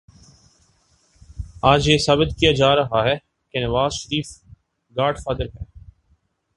آج یہ ثابت کیا جا رہا ہے کہ نوازشریف گاڈ فادر ہے۔